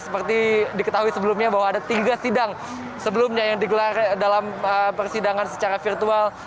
seperti diketahui sebelumnya bahwa ada tiga sidang sebelumnya yang digelar dalam persidangan secara virtual